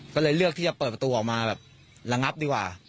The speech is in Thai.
ก็เลยเลือกที่จะเปิดประตูออกมาแบบระงับดีกว่า